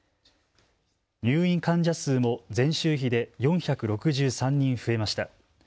入院患者数も前週比で４６３人増えました。